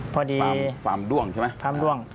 พอดีฟาร์มด้วงใช่ไหมครับฟาร์มด้วง